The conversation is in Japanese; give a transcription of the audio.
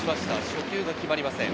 初球が決まりません。